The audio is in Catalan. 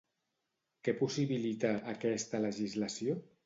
Què possibilita, aquesta legislació?